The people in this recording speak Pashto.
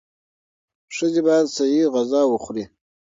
ښځې باید صحي غذا وخوري.